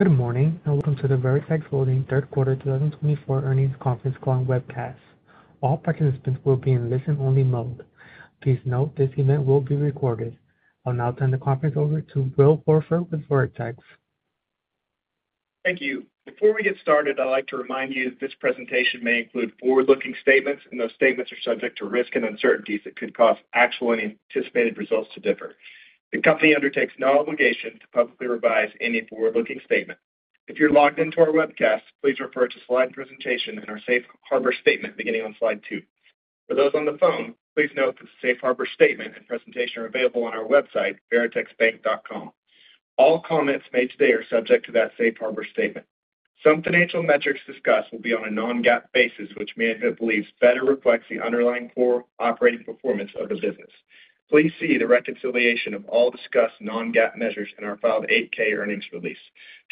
Good morning, and welcome to the Veritex Holdings third quarter two thousand twenty-four earnings conference call and webcast. All participants will be in listen-only mode. Please note this event will be recorded. I'll now turn the conference over to Will Holford with Veritex. Thank you. Before we get started, I'd like to remind you this presentation may include forward-looking statements, and those statements are subject to risks and uncertainties that could cause actual and anticipated results to differ. The company undertakes no obligation to publicly revise any forward-looking statement. If you're logged into our webcast, please refer to slide presentation and our safe harbor statement beginning on slide two. For those on the phone, please note the safe harbor statement and presentation are available on our website, veritexbank.com. All comments made today are subject to that safe harbor statement. Some financial metrics discussed will be on a non-GAAP basis, which management believes better reflects the underlying core operating performance of the business. Please see the reconciliation of all discussed non-GAAP measures in our filed 8-K earnings release.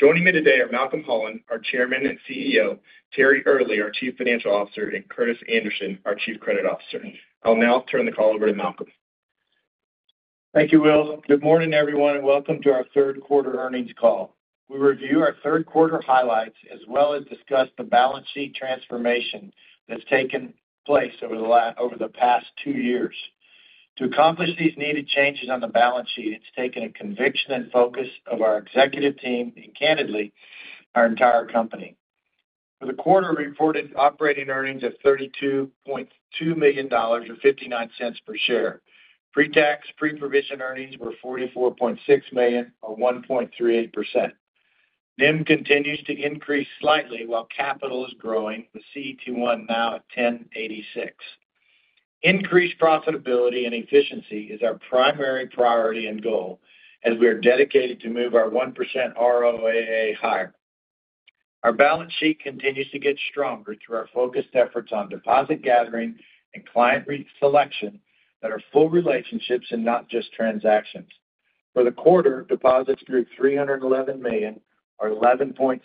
Joining me today are Malcolm Holland, our Chairman and CEO, Terry Earley, our Chief Financial Officer, and Cort Anderson, our Chief Credit Officer. I'll now turn the call over to Malcolm. Thank you, Will. Good morning, everyone, and welcome to our third quarter earnings call. We'll review our third quarter highlights, as well as discuss the balance sheet transformation that's taken place over the past two years. To accomplish these needed changes on the balance sheet, it's taken a conviction and focus of our executive team and candidly, our entire company. For the quarter, reported operating earnings of $32.2 million or 59 cents per share. Pre-tax, pre-provision earnings were $44.6 million or 1.38%. NIM continues to increase slightly while capital is growing, with CET1 now at 10.86. Increased profitability and efficiency is our primary priority and goal, as we are dedicated to move our 1% ROAA higher. Our balance sheet continues to get stronger through our focused efforts on deposit gathering and client re-selection that are full relationships and not just transactions. For the quarter, deposits grew $311 million or 11.6%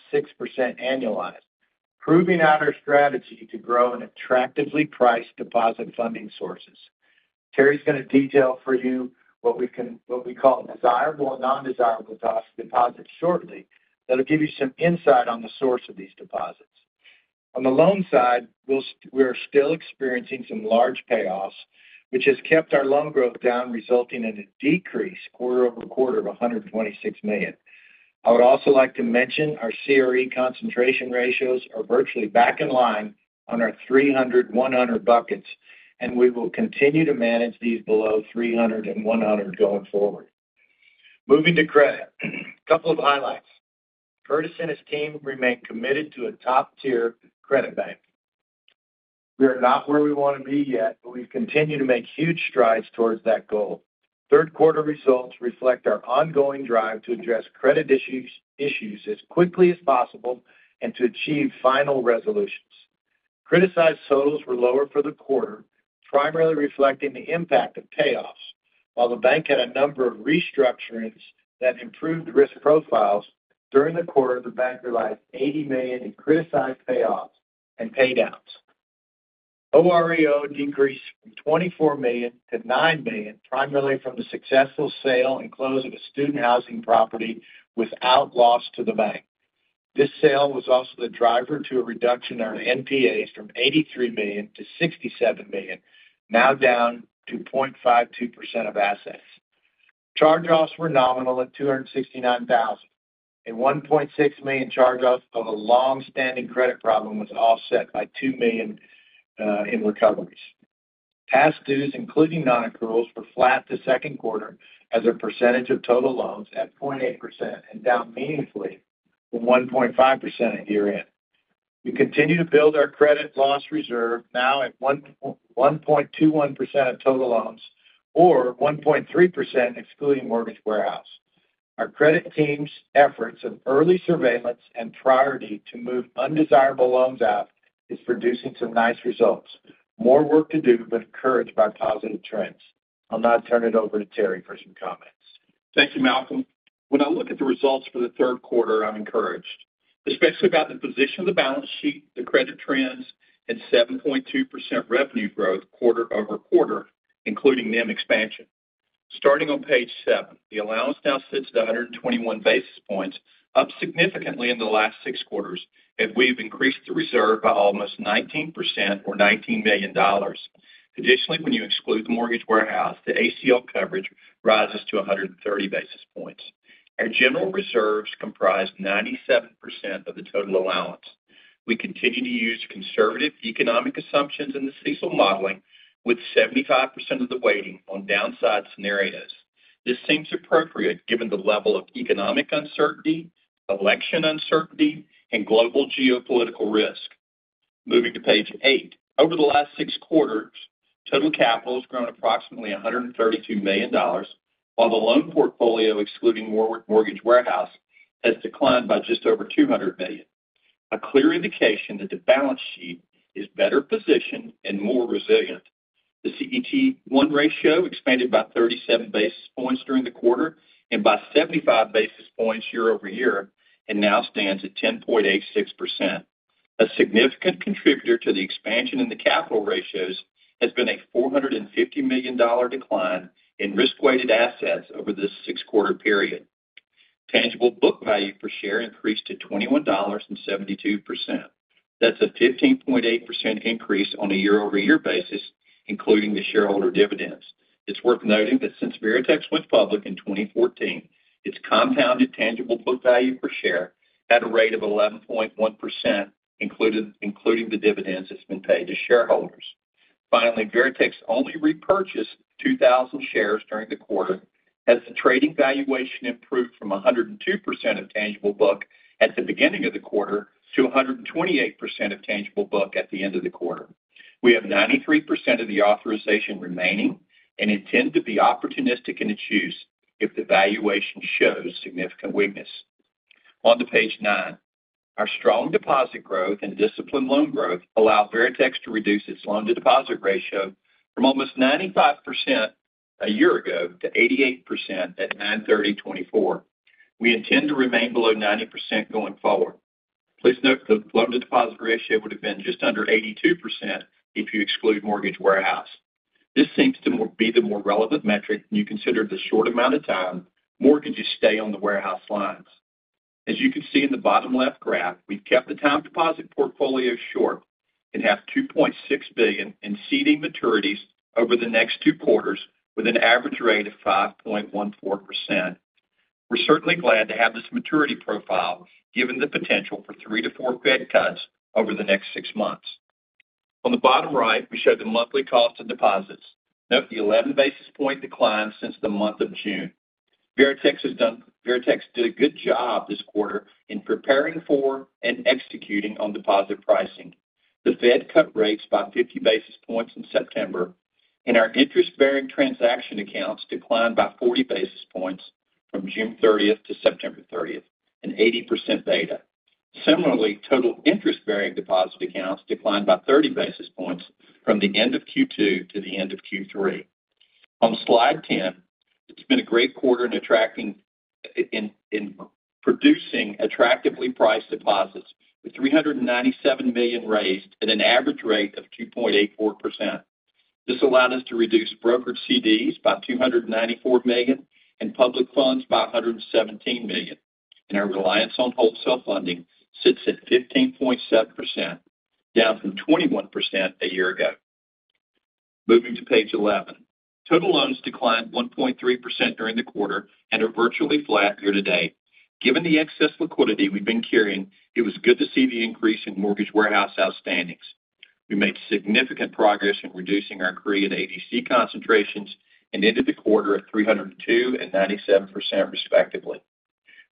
annualized, proving out our strategy to grow an attractively priced deposit funding sources. Terry's gonna detail for you what we call desirable and non-desirable deposits shortly. That'll give you some insight on the source of these deposits. On the loan side, we're still experiencing some large payoffs, which has kept our loan growth down, resulting in a decrease quarter over quarter of $126 million. I would also like to mention our CRE concentration ratios are virtually back in line on our 300, 100 buckets, and we will continue to manage these below 300 and 100 going forward. Moving to credit. A couple of highlights. Curtis and his team remain committed to a top-tier credit bank. We are not where we wanna be yet, but we continue to make huge strides towards that goal. Third quarter results reflect our ongoing drive to address credit issues as quickly as possible and to achieve final resolutions. Criticized totals were lower for the quarter, primarily reflecting the impact of payoffs, while the bank had a number of restructurings that improved risk profiles. During the quarter, the bank realized $80 million in criticized payoffs and pay downs. OREO decreased from $24 million to $9 million, primarily from the successful sale and close of a student housing property without loss to the bank. This sale was also the driver to a reduction in our NPAs from $83 million to $67 million, now down to 0.52% of assets. Charge-offs were nominal at $269,000, and $1.6 million charge-offs of a long-standing credit problem was offset by $2 million in recoveries. Past dues, including nonaccruals, were flat to second quarter as a percentage of total loans at 0.8% and down meaningfully from 1.5% at year-end. We continue to build our credit loss reserve now at 1.21% of total loans or 1.3% excluding mortgage warehouse. Our credit team's efforts of early surveillance and priority to move undesirable loans out is producing some nice results. More work to do, but encouraged by positive trends. I'll now turn it over to Terry for some comments. Thank you, Malcolm. When I look at the results for the third quarter, I'm encouraged, especially about the position of the balance sheet, the credit trends, and 7.2% revenue growth quarter over quarter, including NIM expansion. Starting on page seven, the allowance now sits at 121 basis points, up significantly in the last six quarters, and we've increased the reserve by almost 19% or $19 million. Additionally, when you exclude the mortgage warehouse, the ACL coverage rises to 130 basis points, and general reserves comprise 97% of the total allowance. We continue to use conservative economic assumptions in the CECL modeling, with 75% of the weighting on downside scenarios. This seems appropriate given the level of economic uncertainty, election uncertainty, and global geopolitical risk. Moving to page eight. Over the last six quarters, total capital has grown approximately $132 million, while the loan portfolio, excluding Mortgage Warehouse, has declined by just over $200 million. A clear indication that the balance sheet is better positioned and more resilient. The CET1 ratio expanded by 37 basis points during the quarter and by 75 basis points year over year and now stands at 10.86%. A significant contributor to the expansion in the capital ratios has been a $450 million decline in risk-weighted assets over this six-quarter period. Tangible book value per share increased to twenty-one dollars and seventy-two cents. That's a 15.8% increase on a year-over-year basis, including the shareholder dividends. It's worth noting that since Veritex went public in 2014, its compounded tangible book value per share at a rate of 11.1%, including the dividends that's been paid to shareholders. Finally, Veritex only repurchased 2,000 shares during the quarter, as the trading valuation improved from 102% of tangible book at the beginning of the quarter to 128% of tangible book at the end of the quarter. We have 93% of the authorization remaining, and intend to be opportunistic in its use if the valuation shows significant weakness. On to page nine. Our strong deposit growth and disciplined loan growth allow Veritex to reduce its loan-to-deposit ratio from almost 95% a year ago to 88% at September 30, 2024. We intend to remain below 90% going forward. Please note, the loan-to-deposit ratio would have been just under 82% if you exclude mortgage warehouse. This seems to be the more relevant metric when you consider the short amount of time mortgages stay on the warehouse lines. As you can see in the bottom left graph, we've kept the time deposit portfolio short and have $2.6 billion in CD maturities over the next two quarters, with an average rate of 5.14%. We're certainly glad to have this maturity profile, given the potential for 3 to 4 Fed cuts over the next six months. On the bottom right, we show the monthly cost of deposits. Note the 11 basis points decline since the month of June. Veritex did a good job this quarter in preparing for and executing on deposit pricing. The Fed cut rates by 50 basis points in September, and our interest-bearing transaction accounts declined by 40 basis points from June thirtieth to September thirtieth, an 80% beta. Similarly, total interest-bearing deposit accounts declined by 30 basis points from the end of Q2 to the end of Q3. On slide 10, it's been a great quarter in producing attractively priced deposits, with $397 million raised at an average rate of 2.84%. This allowed us to reduce brokered CDs by $294 million and public funds by $117 million, and our reliance on wholesale funding sits at 15.7%, down from 21% a year ago. Moving to page 11. Total loans declined 1.3% during the quarter and are virtually flat year to date. Given the excess liquidity we've been carrying, it was good to see the increase in mortgage warehouse outstandings. We made significant progress in reducing our CRE and ADC concentrations, and ended the quarter at 30.2 and 9.7%, respectively.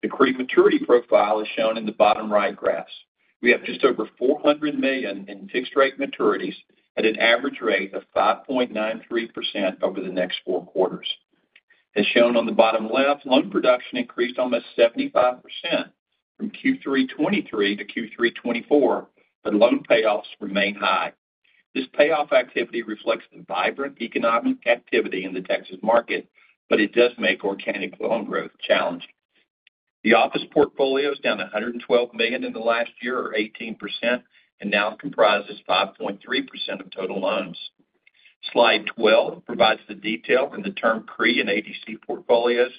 The CRE maturity profile is shown in the bottom right graphs. We have just over $400 million in fixed rate maturities at an average rate of 5.93% over the next four quarters. As shown on the bottom left, loan production increased almost 75% from Q3 2023 to Q3 2024, but loan payoffs remain high. This payoff activity reflects the vibrant economic activity in the Texas market, but it does make organic loan growth challenging. The office portfolio is down $112 million in the last year, or 18%, and now comprises 5.3% of total loans. Slide twelve provides the detail in the term CRE and ADC portfolios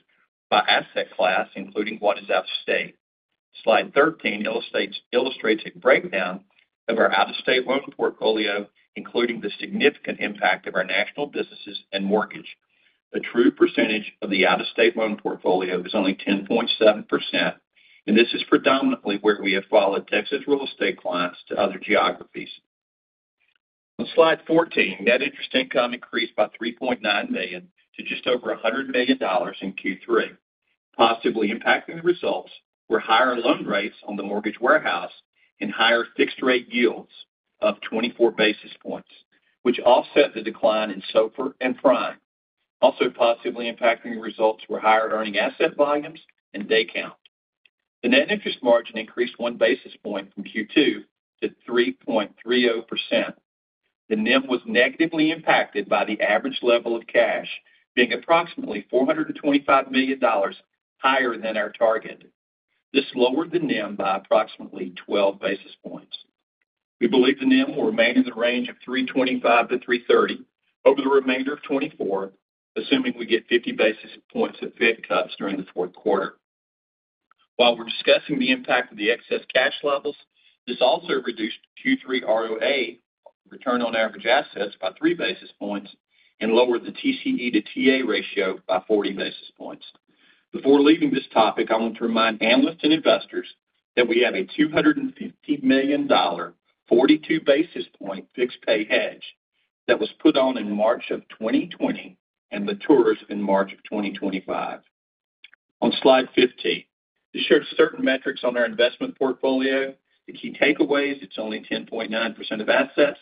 by asset class, including what is out-of-state. Slide thirteen illustrates a breakdown of our out-of-state loan portfolio, including the significant impact of our national businesses and mortgage. The true percentage of the out-of-state loan portfolio is only 10.7%, and this is predominantly where we have followed Texas real estate clients to other geographies. On Slide fourteen, net interest income increased by $3.9 million to just over $100 million in Q3. Possibly impacting the results were higher loan rates on the Mortgage Warehouse and higher fixed rate yields of 24 basis points, which offset the decline in SOFR and Prime. Also possibly impacting the results were higher earning asset volumes and day count. The net interest margin increased 1 basis point from Q2 to 3.30%. The NIM was negatively impacted by the average level of cash, being approximately $425 million higher than our target. This lowered the NIM by approximately 12 basis points. We believe the NIM will remain in the range of 3.25-3.30 over the remainder of 2024, assuming we get 50 basis points of Fed cuts during the fourth quarter. While we're discussing the impact of the excess cash levels, this also reduced Q3 ROA, return on average assets, by 3 basis points and lowered the TCE to TA ratio by 40 basis points. Before leaving this topic, I want to remind analysts and investors that we have a $250 million, 42 basis point fixed-pay hedge that was put on in March of 2020 and matures in March of 2025. On Slide 15, this shows certain metrics on our investment portfolio. The key takeaways, it's only 10.9% of assets,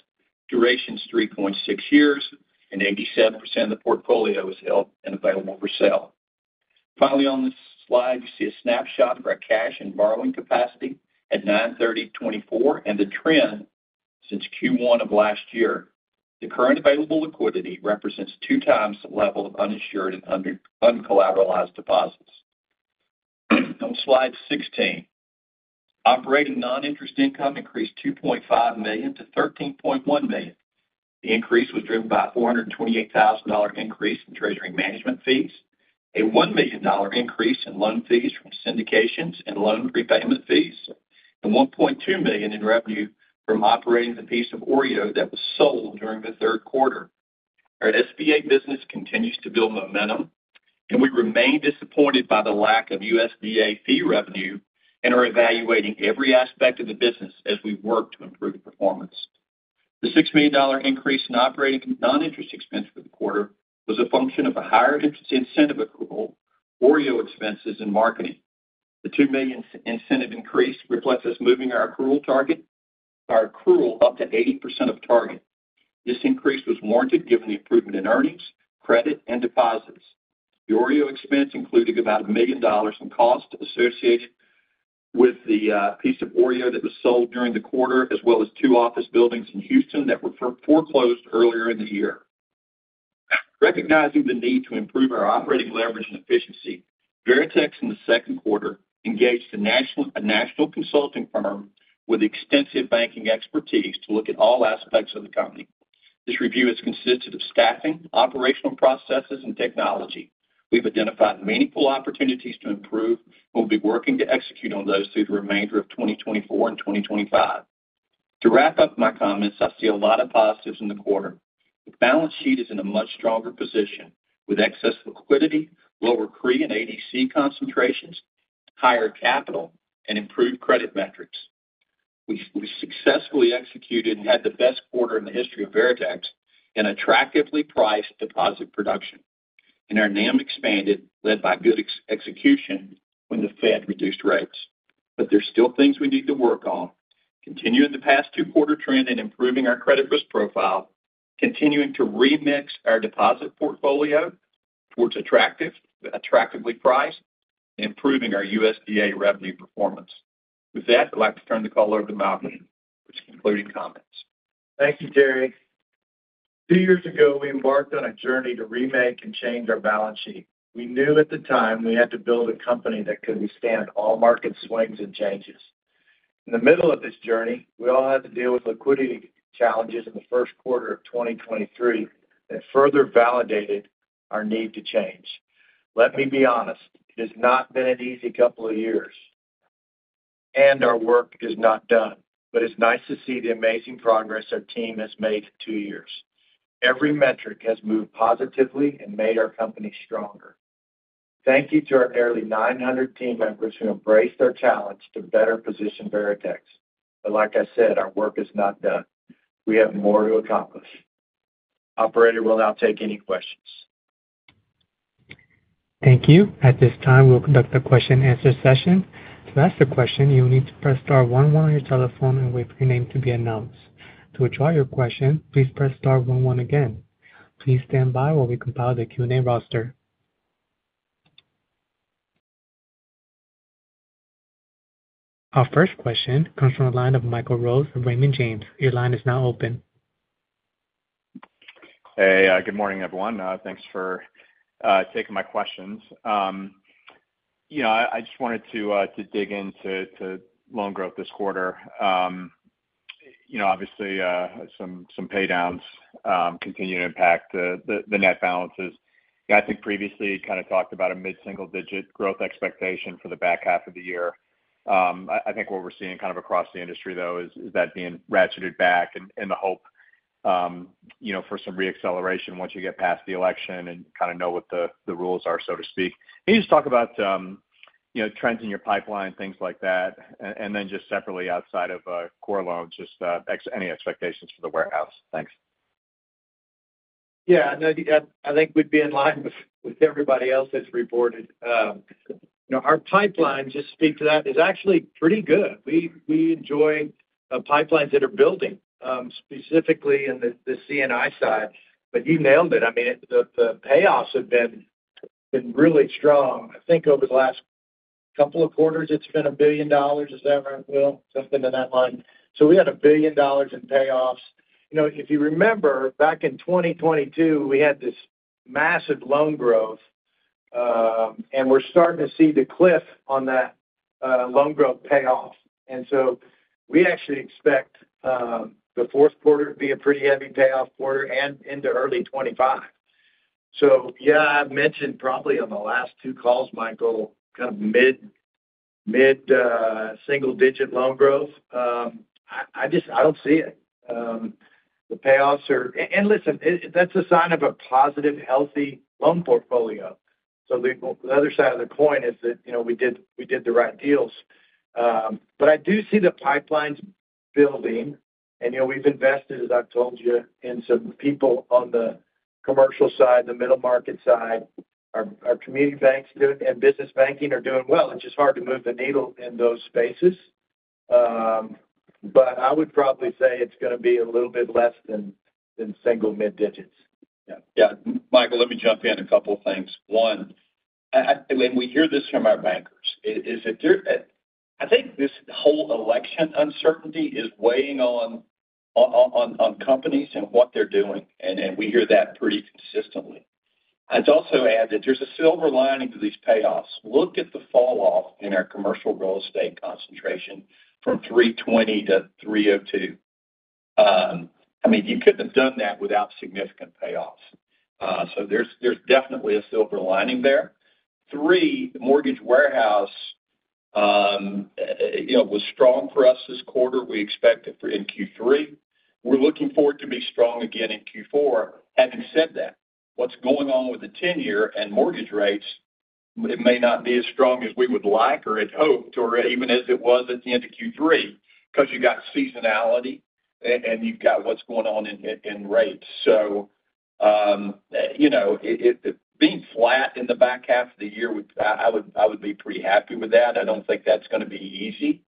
duration is 3.6 years, and 87% of the portfolio is held and available for sale. Finally, on this slide, you see a snapshot of our cash and borrowing capacity at 9/30/2024, and the trend since Q1 of last year. The current available liquidity represents two times the level of uninsured and uncollateralized deposits. On slide 16, operating non-interest income increased $2.5 million to $13.1 million. The increase was driven by a $428,000 increase in treasury management fees, a $1 million increase in loan fees from syndications and loan repayment fees, and $1.2 million in revenue from operating the piece of OREO that was sold during the third quarter. Our SBA business continues to build momentum, and we remain disappointed by the lack of USDA fee revenue and are evaluating every aspect of the business as we work to improve the performance. The $6 million increase in operating non-interest expense for the quarter was a function of a higher interest incentive accrual, OREO expenses, and marketing. The $2 million incentive increase reflects us moving our accrual up to 80% of target. This increase was warranted given the improvement in earnings, credit, and deposits. The OREO expense included about $1 million in costs associated with the piece of OREO that was sold during the quarter, as well as two office buildings in Houston that were foreclosed earlier in the year. Recognizing the need to improve our operating leverage and efficiency, Veritex, in the second quarter, engaged a national consulting firm with extensive banking expertise to look at all aspects of the company. This review has consisted of staffing, operational processes, and technology. We've identified meaningful opportunities to improve, and we'll be working to execute on those through the remainder of 2024 and 2025. To wrap up my comments, I see a lot of positives in the quarter. The balance sheet is in a much stronger position, with excess liquidity, lower CRE and ADC concentrations, higher capital, and improved credit metrics. We successfully executed and had the best quarter in the history of Veritex, and attractively priced deposit production. Our NIM expanded, led by good execution when the Fed reduced rates. But there's still things we need to work on, continuing the past two-quarter trend in improving our credit risk profile, continuing to remix our deposit portfolio towards attractively priced, improving our USDA revenue performance. With that, I'd like to turn the call over to Malcolm for his concluding comments. Thank you, Terry. Two years ago, we embarked on a journey to remake and change our balance sheet. We knew at the time we had to build a company that could withstand all market swings and changes. In the middle of this journey, we all had to deal with liquidity challenges in the first quarter of 2023, that further validated our need to change. Let me be honest, it has not been an easy couple of years, and our work is not done, but it's nice to see the amazing progress our team has made in two years. Every metric has moved positively and made our company stronger. Thank you to our nearly 900 team members who embraced our challenge to better position Veritex. But like I said, our work is not done. We have more to accomplish. Operator, we'll now take any questions. Thank you. At this time, we'll conduct a question-and-answer session. To ask a question, you will need to press star one one on your telephone and wait for your name to be announced. To withdraw your question, please press star one one again. Please stand by while we compile the Q&A roster. Our first question comes from the line of Michael Rose from Raymond James. Your line is now open. Hey, good morning, everyone. Thanks for taking my questions. You know, I just wanted to dig into loan growth this quarter. You know, obviously, some paydowns continue to impact the net balances. I think previously, you kind of talked about a mid-single-digit growth expectation for the back half of the year. I think what we're seeing kind of across the industry, though, is that being ratcheted back and the hope, you know, for some reacceleration once you get past the election and kind of know what the rules are, so to speak. Can you just talk about, you know, trends in your pipeline, things like that, and then just separately outside of core loans, just any expectations for the warehouse? Thanks. Yeah, no, yeah, I think we'd be in line with everybody else that's reported. You know, our pipeline, just to speak to that, is actually pretty good. We enjoy pipelines that are building, specifically in the C&I side, but you nailed it. I mean, the payoffs have been really strong. I think over the last couple of quarters, it's been $1 billion. Is that right, Will? Something to that line. So we had $1 billion in payoffs. You know, if you remember, back in 2022, we had this massive loan growth, and we're starting to see the cliff on that loan growth payoff. And so we actually expect the fourth quarter to be a pretty heavy payoff quarter and into early 2025. So yeah, I've mentioned probably on the last two calls, Michael, kind of mid-single-digit loan growth. I just don't see it. The payoffs are... and listen, that's a sign of a positive, healthy loan portfolio. So the other side of the coin is that, you know, we did the right deals. But I do see the pipelines building, and, you know, we've invested, as I've told you, in some people on the commercial side, the middle market side. Our community banks and business banking are doing well. It's just hard to move the needle in those spaces. But I would probably say it's gonna be a little bit less than single mid digits. Yeah. Yeah, Michael, let me jump in on a couple of things. One, and we hear this from our bankers. I think this whole election uncertainty is weighing on companies and what they're doing, and we hear that pretty consistently. I'd also add that there's a silver lining to these payoffs. Look at the falloff in our commercial real estate concentration from 320 to 302. I mean, you couldn't have done that without significant payoffs. So there's definitely a silver lining there. Three, the Mortgage Warehouse, you know, was strong for us this quarter. We expect it in Q3. We're looking for it to be strong again in Q4. Having said that, what's going on with the ten-year and mortgage rates, it may not be as strong as we would like, or had hoped, or even as it was at the end of Q3, 'cause you got seasonality, and you've got what's going on in rates. So, you know, it being flat in the back half of the year would- I would be pretty happy with that. I don't think that's gonna be easy.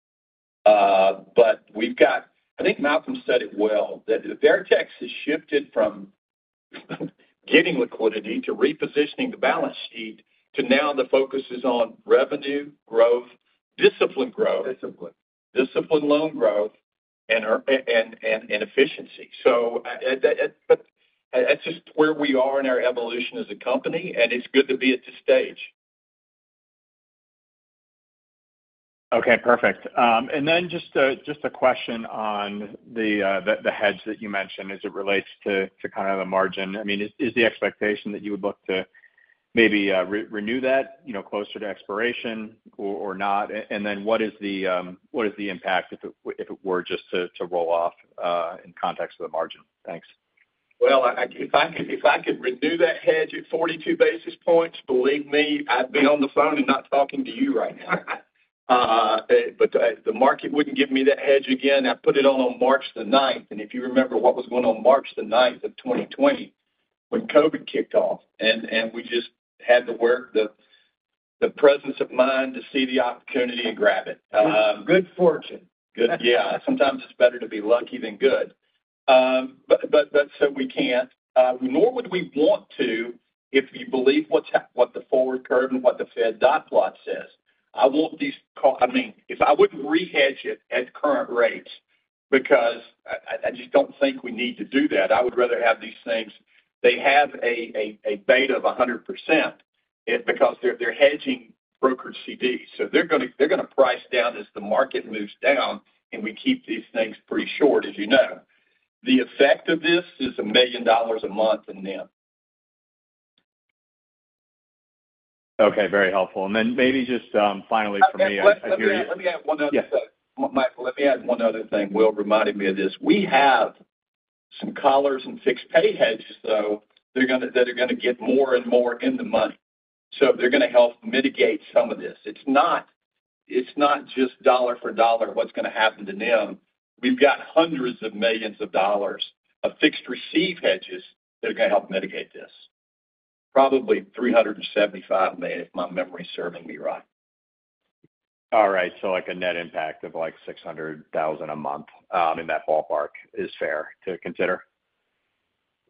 But we've got- I think Malcolm said it well, that Veritex has shifted from getting liquidity to repositioning the balance sheet, to now the focus is on revenue growth, disciplined growth, Disciplined. Disciplined loan growth and our efficiency. So that's just where we are in our evolution as a company, and it's good to be at this stage. Okay, perfect. And then just a question on the hedge that you mentioned as it relates to kind of the margin. I mean, is the expectation that you would look to maybe renew that, you know, closer to expiration or not? And then what is the impact if it were just to roll off in context of the margin? Thanks. Well, if I could renew that hedge at forty-two basis points, believe me, I'd be on the phone and not talking to you right now. But the market wouldn't give me that hedge again. I put it on March the ninth, and if you remember what was going on March the ninth of twenty twenty, when COVID kicked off, and we just had the presence of mind to see the opportunity and grab it. Good fortune. Yeah, sometimes it's better to be lucky than good. But so we can't, nor would we want to, if you believe what the forward curve and what the Fed dot plot says. I mean, if I wouldn't rehedge it at current rates, because I just don't think we need to do that. I would rather have these things. They have a beta of 100%, because they're hedging brokerage CDs. So they're gonna price down as the market moves down, and we keep these things pretty short, as you know. The effect of this is $1 million a month in NIM. Okay, very helpful. And then maybe just, finally, for me, I hear you- Let me add, let me add one other thing. Yeah. Michael, let me add one other thing. Will reminded me of this. We have some collars and fixed-pay hedges, so they're gonna get more and more in the money. So they're gonna help mitigate some of this. It's not, it's not just dollar for dollar, what's gonna happen to NIM. We've got hundreds of millions of dollars of fixed-receive hedges that are gonna help mitigate this. Probably $375 million, if my memory's serving me right. All right, so like a net impact of, like, $600,000 a month in that ballpark is fair to consider?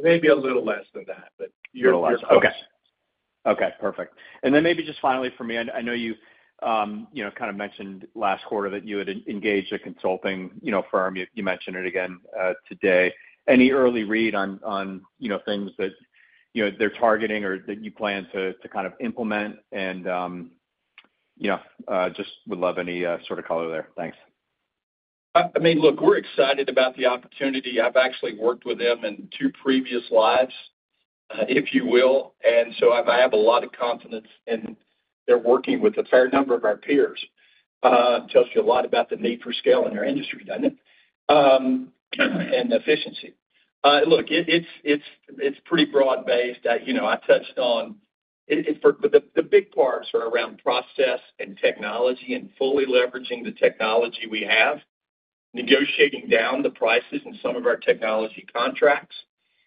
Maybe a little less than that, but you're close. Okay. Okay, perfect. And then maybe just finally for me, I know you know, kind of mentioned last quarter that you had engaged a consulting, you know, firm. You mentioned it again, today. Any early read on, you know, things that, you know, they're targeting or that you plan to kind of implement and, you know, just would love any sort of color there. Thanks. I mean, look, we're excited about the opportunity. I've actually worked with them in two previous lives, if you will, and so I have a lot of confidence, and they're working with a fair number of our peers. Tells you a lot about the need for scale in our industry, doesn't it? And efficiency. Look, it's pretty broad-based. You know, I touched on it, but the big parts are around process and technology and fully leveraging the technology we have, negotiating down the prices in some of our technology contracts,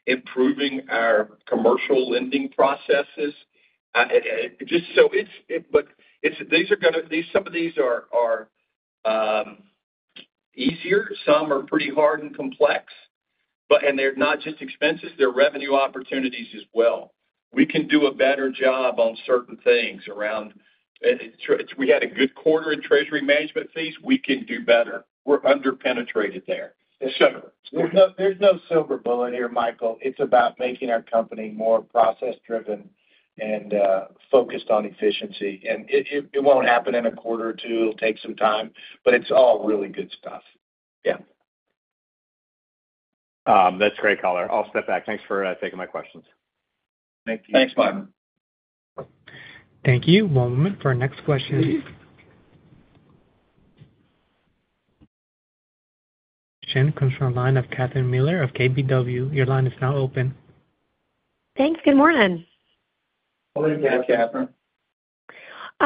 improving our commercial lending processes. It's just, but it's. These are gonna, some of these are easier, some are pretty hard and complex, but and they're not just expenses, they're revenue opportunities as well. We can do a better job on certain things around treasury management fees. We had a good quarter in treasury management fees. We can do better. We're under-penetrated there, et cetera. There's no silver bullet here, Michael. It's about making our company more process-driven and focused on efficiency, and it won't happen in a quarter or two. It'll take some time, but it's all really good stuff. Yeah. That's great color. I'll step back. Thanks for taking my questions. Thank you. Thanks, Michael. Thank you. One moment for our next question. Comes from a line of Catherine Mealor of KBW. Your line is now open. Thanks. Good morning. Morning, Catherine.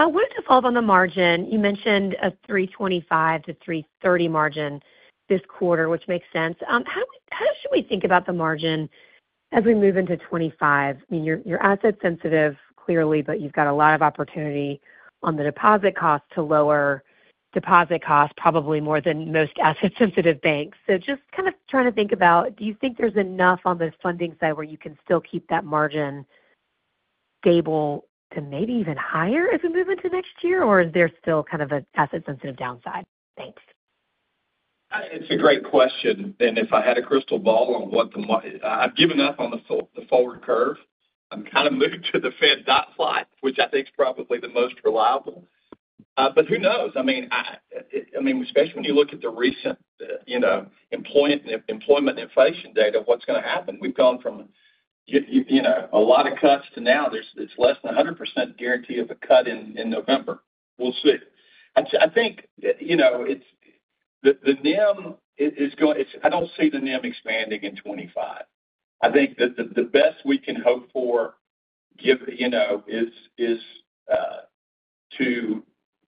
Wanted to follow up on the margin. You mentioned a 3.25%-3.30% margin this quarter, which makes sense. How should we think about the margin as we move into 2025? I mean, you're asset sensitive, clearly, but you've got a lot of opportunity on the deposit cost to lower deposit costs, probably more than most asset sensitive banks. So just kind of trying to think about, do you think there's enough on the funding side where you can still keep that margin stable to maybe even higher as we move into next year, or is there still kind of an asset sensitive downside? Thanks. It's a great question, and if I had a crystal ball on what the market forward curve. I've given up on the forward curve. I'm kind of moved to the Fed dot plot, which I think is probably the most reliable. But who knows? I mean, especially when you look at the recent, you know, employment inflation data, what's going to happen? We've gone from, you know, a lot of cuts to now, it's less than 100% guarantee of a cut in November. We'll see. I think, you know, it's the NIM is going it's. I don't see the NIM expanding in 2025. I think that the best we can hope for, given, you know, is to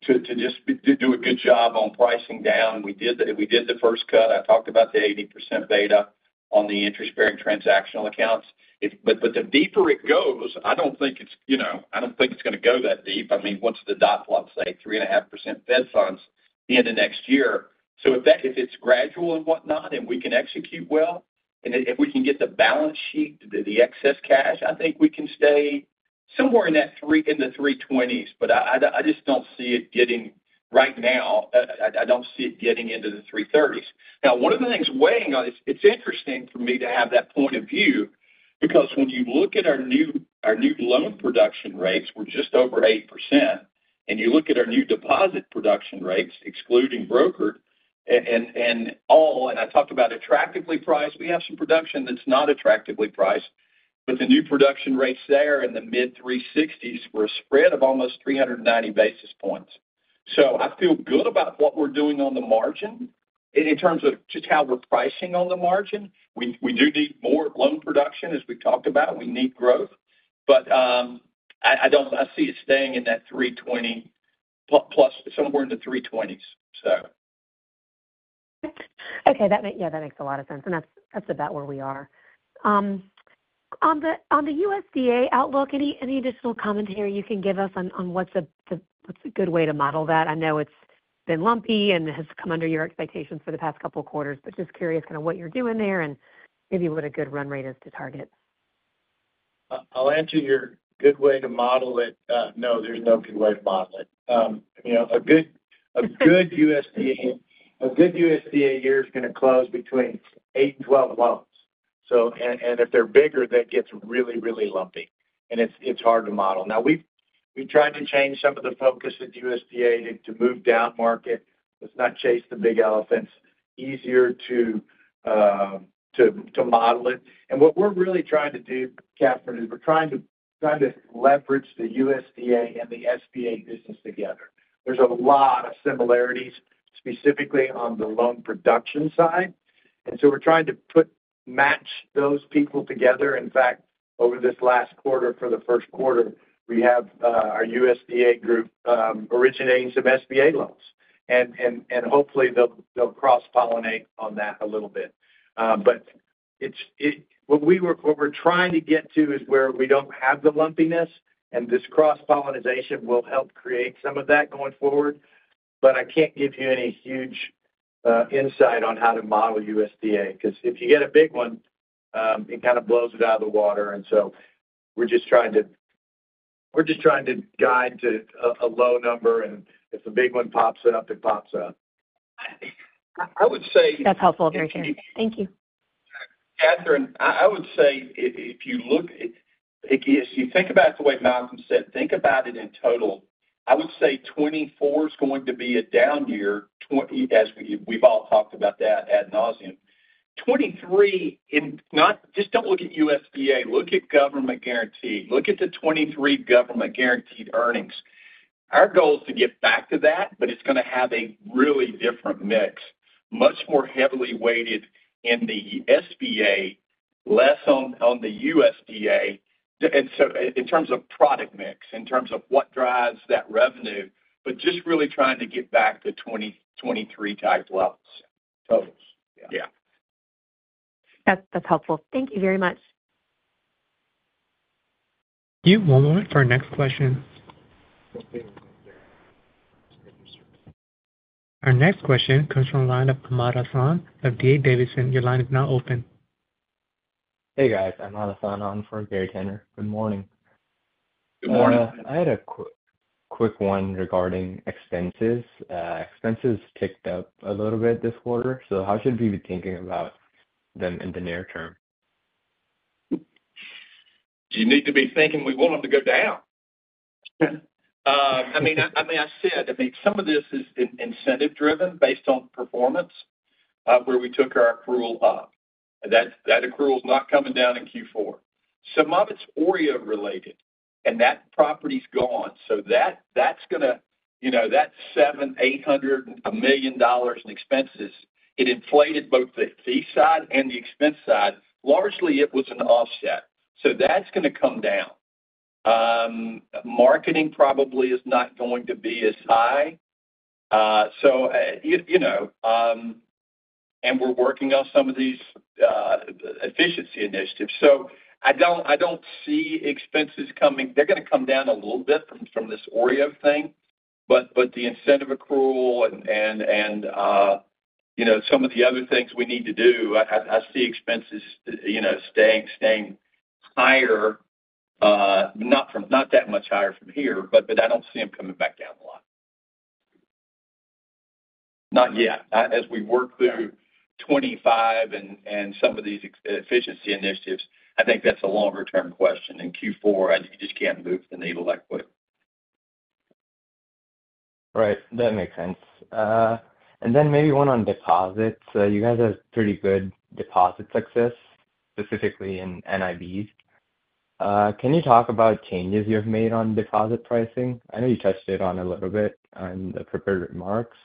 just do a good job on pricing down. We did the first cut. I talked about the 80% beta on the interest-bearing transactional accounts. But the deeper it goes, I don't think it's, you know, going to go that deep. I mean, what's the dot plot say? 3.5% Fed funds into next year. So if that- if it's gradual and whatnot, and we can execute well, and if we can get the balance sheet, the excess cash, I think we can stay somewhere in that three, in the 3.20s, but I just don't see it getting right now, I don't see it getting into the 3.30s. Now, one of the things weighing on it. It's interesting for me to have that point of view, because when you look at our new loan production rates, we're just over 8%, and you look at our new deposit production rates, excluding broker, and I talked about attractively priced. We have some production that's not attractively priced, but the new production rates there in the mid-3.60s were a spread of almost 390 basis points. So I feel good about what we're doing on the margin in terms of just how we're pricing on the margin. We do need more loan production, as we talked about. We need growth, but I don't... I see it staying in that 3.20-plus, somewhere in the 3.20s, so. Okay, yeah, that makes a lot of sense, and that's, that's about where we are. On the USDA outlook, any additional commentary you can give us on what's a good way to model that? I know it's been lumpy and has come under your expectations for the past couple of quarters, but just curious kind of what you're doing there and maybe what a good run rate is to target. I'll answer your good way to model it. No, there's no good way to model it. You know, a good USDA year is going to close between eight and 12 loans. So, and if they're bigger, that gets really lumpy, and it's hard to model. Now, we've tried to change some of the focus at USDA to move down market. Let's not chase the big elephants. Easier to model it. And what we're really trying to do, Catherine, is we're trying to leverage the USDA and the SBA business together. There's a lot of similarities, specifically on the loan production side, and so we're trying to put match those people together. In fact, over this last quarter, for the first quarter, we have our USDA group originating some SBA loans, and hopefully they'll cross-pollinate on that a little bit. But it's what we're trying to get to is where we don't have the lumpiness, and this cross-pollination will help create some of that going forward. But I can't give you any huge insight on how to model USDA, because if you get a big one, it kind of blows it out of the water. And so we're just trying to guide to a low number, and if a big one pops it up, it pops up. I would say- That's helpful. Thank you. Thank you. Catherine, I would say if you look, if you think about it the way Malcolm said, think about it in total. I would say 2024 is going to be a down year. As we've all talked about that ad nauseam. 2023, and not just don't look at USDA, look at government guarantee. Look at the 2023 government guaranteed earnings. Our goal is to get back to that, but it's going to have a really different mix, much more heavily weighted in the SBA, less on the USDA. And so in terms of product mix, in terms of what drives that revenue, but just really trying to get back to 2023 type levels. Totals. Yeah. Yeah. That's helpful. Thank you very much. One moment for our next question. Our next question comes from the line of Hammad Hassan of D.A. Davidson. Your line is now open. Hey, guys, I'm Hammad Hassan on for Gary Tenner. Good morning. Good morning. I had a quick one regarding expenses. Expenses ticked up a little bit this quarter, so how should we be thinking about them in the near term? You need to be thinking we want them to go down. I mean, I said, I mean, some of this is incentive driven based on performance, where we took our accrual up. That accrual is not coming down in Q4. Some of it's OREO related, and that property's gone. So that's going to, you know, that $700,000-$800,000 to $1 million in expenses, it inflated both the fee side and the expense side. Largely, it was an offset. So that's going to come down. Marketing probably is not going to be as high. So you know, and we're working on some of these efficiency initiatives. So I don't see expenses coming. They're going to come down a little bit from this OREO thing. But the incentive accrual and, you know, some of the other things we need to do, I see expenses, you know, staying higher, not that much higher from here, but I don't see them coming back down a lot. Not yet. As we work through twenty-five and some of these efficiency initiatives, I think that's a longer term question. In Q4, I think you just can't move the needle that quick. Right. That makes sense. And then maybe one on deposits. So you guys have pretty good deposit success, specifically in NIBs. Can you talk about changes you've made on deposit pricing? I know you touched on it a little bit in the prepared remarks,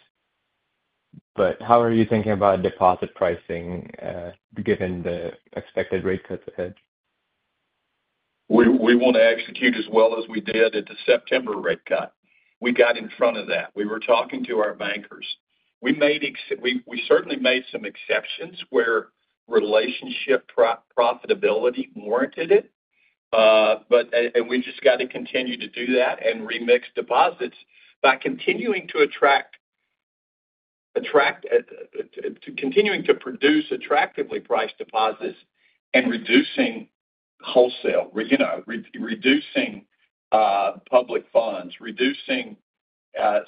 but how are you thinking about deposit pricing, given the expected rate cuts ahead? We want to execute as well as we did at the September rate cut. We got in front of that. We were talking to our bankers. We certainly made some exceptions where relationship profitability warranted it. But and we've just got to continue to do that and remix deposits by continuing to attract to continuing to produce attractively priced deposits and reducing wholesale, you know, reducing public funds, reducing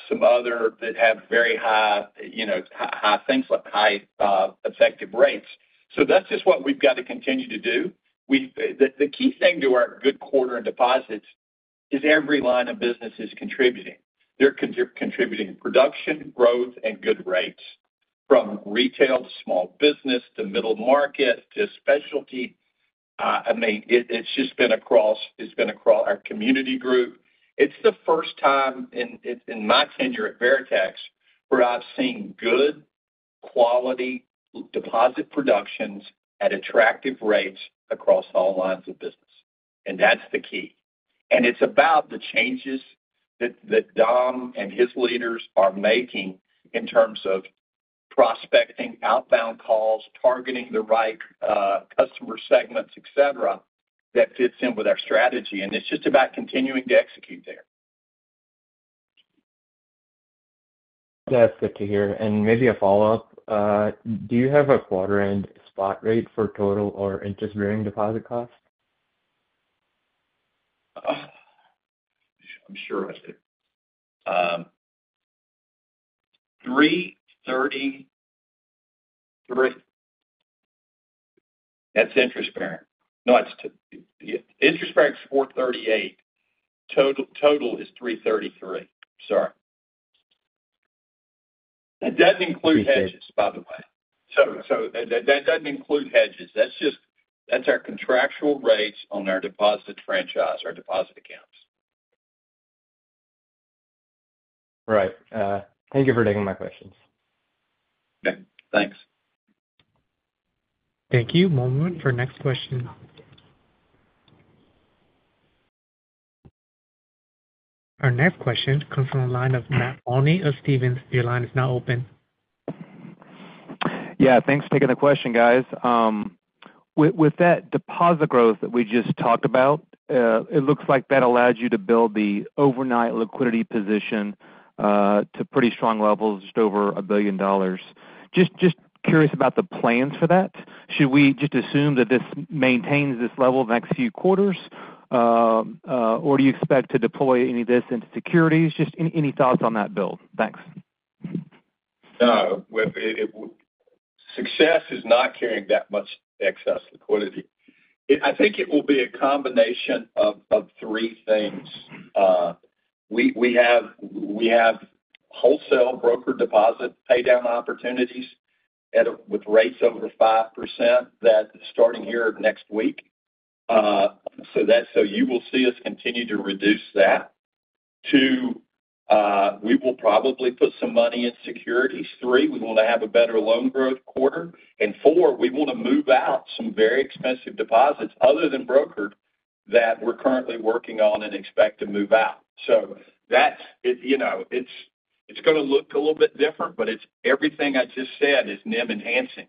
some other that have very high, you know, high things like high effective rates. So that's just what we've got to continue to do. The key thing to our good quarter in deposits is every line of business is contributing. They're contributing production, growth, and good rates, from retail to small business, to middle market, to specialty. I mean, it's just been across our community group. It's the first time in my tenure at Veritex, where I've seen good quality deposit productions at attractive rates across all lines of business, and that's the key. And it's about the changes that Dom and his leaders are making in terms of prospecting, outbound calls, targeting the right customer segments, et cetera, that fits in with our strategy, and it's just about continuing to execute there. That's good to hear. And maybe a follow-up. Do you have a quarter end spot rate for total or interest-bearing deposit costs? I'm sure I do. Three thirty-three. That's interest bearing. No, interest bearing is four thirty-eight. Total is three thirty-three. Sorry. That doesn't include hedges, by the way. So, that doesn't include hedges. That's just our contractual rates on our deposit franchise, our deposit accounts. Right. Thank you for taking my questions. Yeah, thanks. Thank you. One moment for next question. Our next question comes from the line of Matt Olney of Stephens. Your line is now open. Yeah, thanks for taking the question, guys. With that deposit growth that we just talked about, it looks like that allowed you to build the overnight liquidity position to pretty strong levels, just over $1 billion. Just curious about the plans for that. Should we just assume that this maintains this level the next few quarters? Or do you expect to deploy any of this into securities? Just any thoughts on that build? Thanks. No, with it, success is not carrying that much excess liquidity. I think it will be a combination of three things. We have wholesale broker deposit pay down opportunities with rates over 5% that starting the end of next week. So you will see us continue to reduce that. Two, we will probably put some money in securities. Three, we want to have a better loan growth quarter. And four, we want to move out some very expensive deposits, other than brokered, that we're currently working on and expect to move out. So that's, you know, it's gonna look a little bit different, but it's everything I just said is NIM enhancing.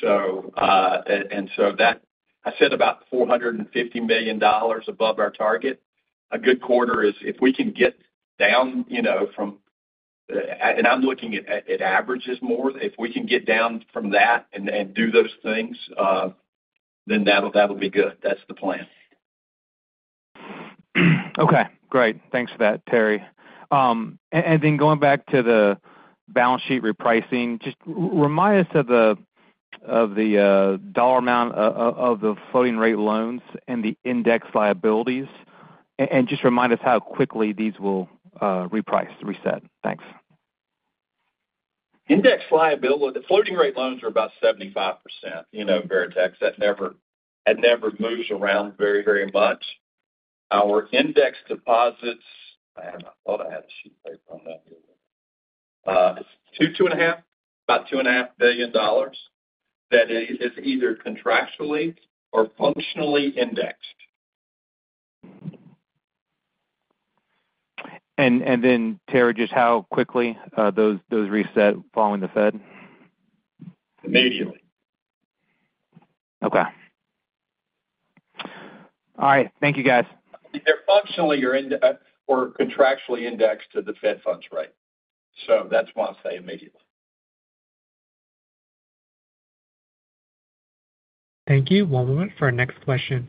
So, and so as I said about $450 million above our target. A good quarter is if we can get down, you know, from, and I'm looking at averages more. If we can get down from that and do those things, then that'll be good. That's the plan. Okay, great. Thanks for that, Terry. And then going back to the balance sheet repricing, just remind us of the dollar amount of the floating rate loans and the index liabilities, and just remind us how quickly these will reprice, reset. Thanks. Index liability, the floating rate loans are about 75%. You know, Veritex, that never, it never moves around very, very much. Our index deposits, I thought I had a sheet right from that. About $2.5 billion, that is either contractually or functionally indexed. Then, Terry, just how quickly those reset following the Fed? Immediately. Okay.... All right. Thank you, guys. They're functionally or contractually indexed to the Fed funds rate, so that's why I say immediately. Thank you. One moment for our next question.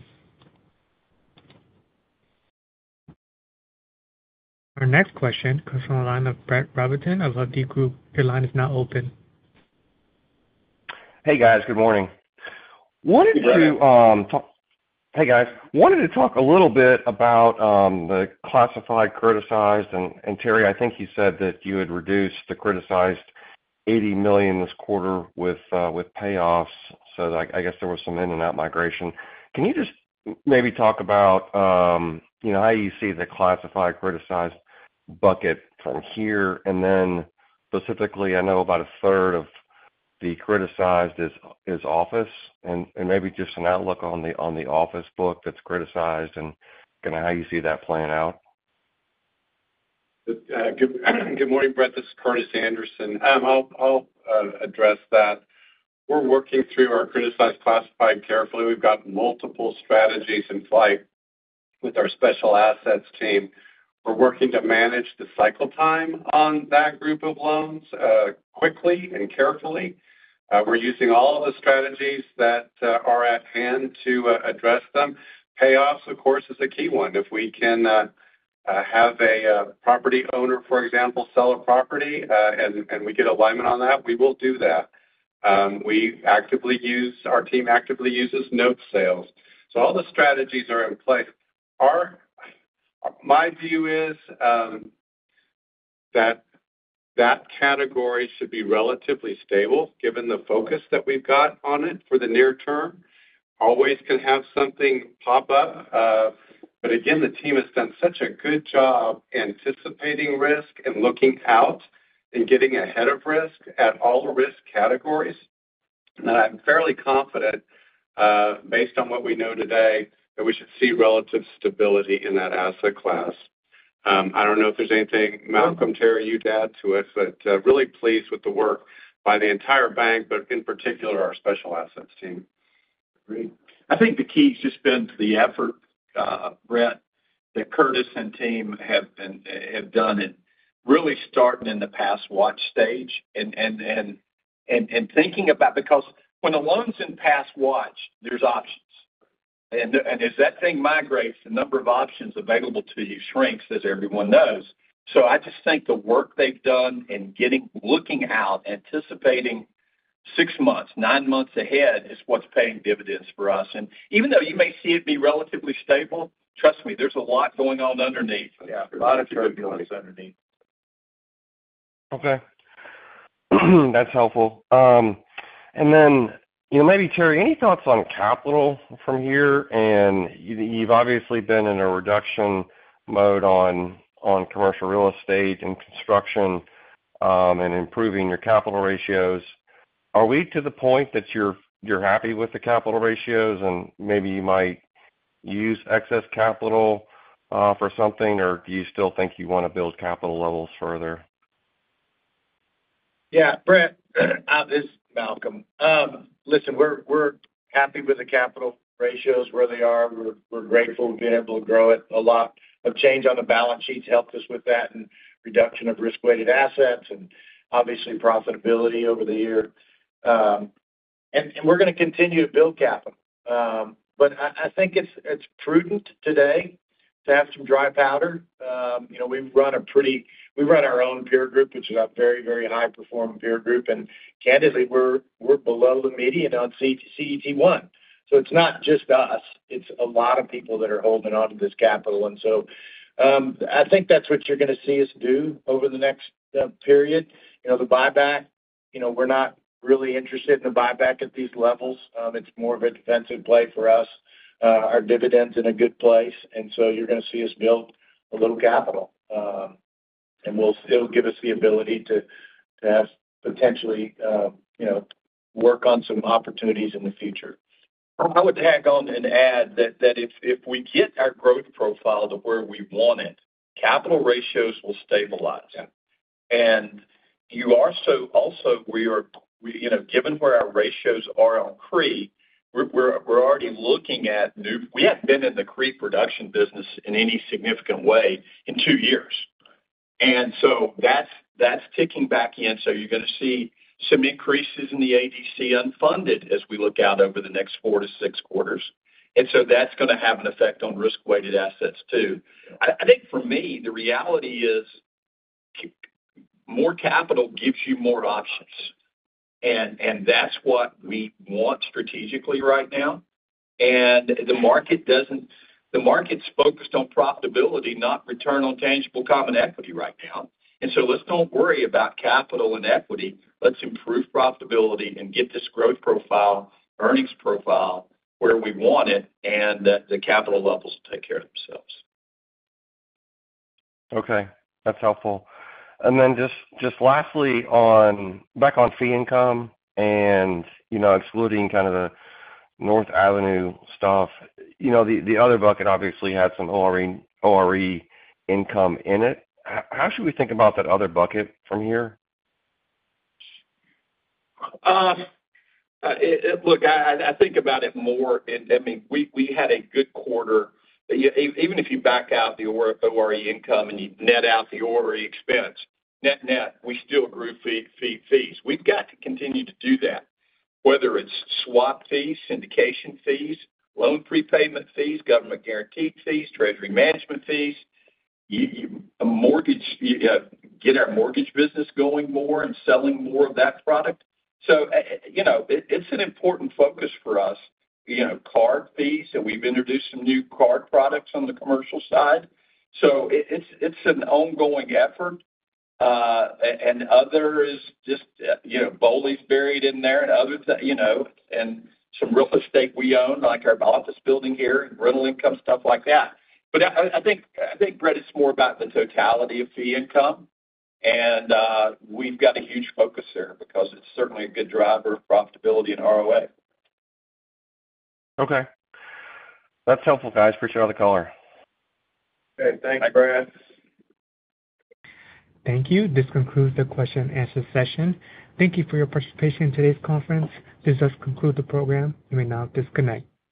Our next question comes from the line of Brett Rabatin of Hovde Group. Your line is now open. Hey, guys, good morning. Hey, Brett. Wanted to talk. Hey, guys. Wanted to talk a little bit about the classified criticized, and, Terry, I think you said that you had reduced the criticized eighty million this quarter with payoffs, so like I guess there was some in-and-out migration. Can you just maybe talk about, you know, how you see the classified criticized bucket from here? And then, specifically, I know about a third of the criticized is office, and maybe just an outlook on the office book that's criticized and kind of how you see that playing out. Good morning, Brett. This is Curtis Anderson. I'll address that. We're working through our criticized classified carefully. We've got multiple strategies in flight with our special assets team. We're working to manage the cycle time on that group of loans, quickly and carefully. We're using all of the strategies that are at hand to address them. Payoffs, of course, is a key one. If we can have a property owner, for example, sell a property, and we get alignment on that, we will do that. Our team actively uses note sales. So all the strategies are in place. My view is, that category should be relatively stable, given the focus that we've got on it for the near term. Always can have something pop up, but again, the team has done such a good job anticipating risk and looking out and getting ahead of risk at all the risk categories, that I'm fairly confident, based on what we know today, that we should see relative stability in that asset class. I don't know if there's anything, Malcolm, Terry, you'd add to it, but, really pleased with the work by the entire bank, but in particular, our special assets team. Great. I think the key has just been the effort, Brett, that Curtis and team have done in really starting in the Pass Watch stage and thinking about. Because when a loan's in Pass Watch, there's options, and as that thing migrates, the number of options available to you shrinks, as everyone knows. So I just think the work they've done in getting looking out, anticipating six months, nine months ahead, is what's paying dividends for us, and even though you may see it be relatively stable, trust me, there's a lot going on underneath. Yeah, a lot of turbulence underneath. Okay. That's helpful. And then, you know, maybe, Terry, any thoughts on capital from here? And you've obviously been in a reduction mode on commercial real estate and construction, and improving your capital ratios. Are we to the point that you're happy with the capital ratios, and maybe you might use excess capital for something, or do you still think you want to build capital levels further? Yeah, Brett, this is Malcolm. Listen, we're happy with the capital ratios where they are. We're grateful we've been able to grow it. A lot of change on the balance sheet's helped us with that, and reduction of risk-weighted assets and obviously, profitability over the year. And we're gonna continue to build capital. But I think it's prudent today to have some dry powder. You know, we've run a pretty - we run our own peer group, which is a very, very high-performing peer group, and candidly, we're below the median on CET1. So it's not just us, it's a lot of people that are holding onto this capital. And so, I think that's what you're gonna see us do over the next period. You know, the buyback, you know, we're not really interested in a buyback at these levels. It's more of a defensive play for us. Our dividend's in a good place, and so you're gonna see us build a little capital. And will still give us the ability to have potentially, you know, work on some opportunities in the future. I would tag on and add that if we get our growth profile to where we want it, capital ratios will stabilize. Yeah. Also, we are, you know, given where our ratios are on CRE, we're already looking. We haven't been in the CRE production business in any significant way in two years. So that's ticking back in, so you're gonna see some increases in the ADC unfunded as we look out over the next four to six quarters. So that's gonna have an effect on risk-weighted assets, too. I think for me, the reality is, more capital gives you more options, and that's what we want strategically right now. The market's focused on profitability, not return on tangible common equity right now. So let's don't worry about capital and equity. Let's improve profitability and get this growth profile, earnings profile, where we want it, and the capital levels will take care of themselves. Okay, that's helpful. And then just lastly, on back on fee income and, you know, excluding kind of the North Avenue stuff, you know, the other bucket obviously had some ORE income in it. How should we think about that other bucket from here? I think about it more, and I mean, we had a good quarter. Even if you back out the ORE income and you net out the ORE expense, net-net, we still grew fees. We've got to continue to do that, whether it's swap fees, syndication fees, loan prepayment fees, government guaranteed fees, treasury management fees, get our mortgage business going more and selling more of that product. So, you know, it's an important focus for us. You know, card fees, and we've introduced some new card products on the commercial side. So it's an ongoing effort, and other is just, you know, BOLI's buried in there and some real estate we own, like our office building here, rental income, stuff like that. But I think, Brett, it's more about the totality of fee income, and we've got a huge focus there because it's certainly a good driver of profitability and ROA. Okay. That's helpful, guys. Appreciate all the color. Okay, thanks, Brett. Thank you. This concludes the question and answer session. Thank you for your participation in today's conference. This does conclude the program. You may now disconnect.